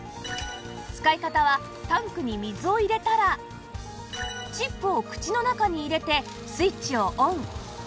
使い方はタンクに水を入れたらチップを口の中に入れてスイッチをオン